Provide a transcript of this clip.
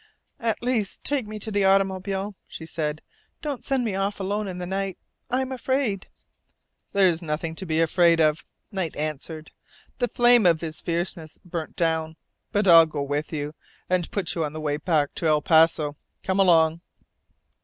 "At least take me to the automobile," she said. "Don't send me off alone in the night. I am afraid." "There's nothing to be afraid of," Knight answered, the flame of his fierceness burnt down. "But I'll go with you, and put you on the way back to El Paso. Come along!"